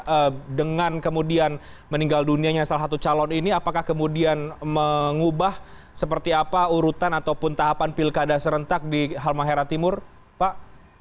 apakah dengan kemudian meninggal dunianya salah satu calon ini apakah kemudian mengubah seperti apa urutan ataupun tahapan pilkada serentak di halmahera timur pak